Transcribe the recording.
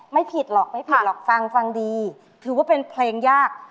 ไม่ผิดหรอกไม่ผิดหรอกฟังฟังดีถือว่าเป็นเพลงยาก